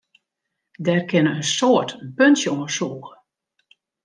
Dêr kinne in soad in puntsje oan sûge.